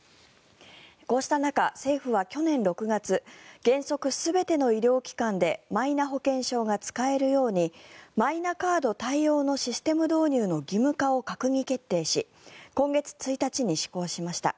こうした中、政府は去年６月原則全ての医療機関でマイナ保険証が使えるようにマイナカード対応のシステム導入の義務化を閣議決定し今月１日に施行しました。